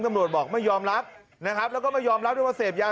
ตำรวจบอกไม่ยอมรับนะครับแล้วก็ไม่ยอมรับด้วยว่าเสพยา